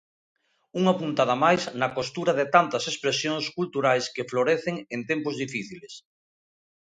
Unha puntada máis na costura de tantas expresións culturais que florecen en tempos difíciles.